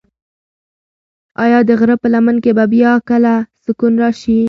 ایا د غره په لمن کې به بیا کله سکون راشي؟